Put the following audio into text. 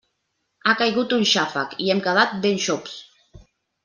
Ha caigut un xàfec i hem quedat ben xops!